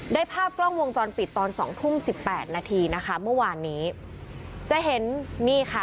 ได้ภาพกล้องวงจรปิดตอนสองทุ่มสิบแปดนาทีนะคะเมื่อวานนี้จะเห็นนี่ค่ะ